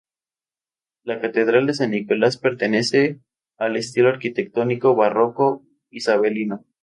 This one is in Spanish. La catedral de San Nicolás pertenece al estilo arquitectónico barroco isabelino.